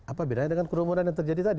apa bedanya dengan kerumunan yang terjadi tadi